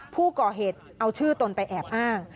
ผู้ก่อเหตุเอาชื่อตนไปแอบอ้าง